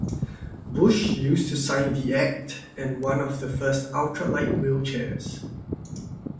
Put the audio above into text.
Bush used to sign the Act and one of the first ultralight wheelchairs.